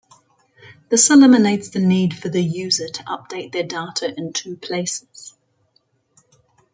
This eliminates the need for the user to update their data in two places.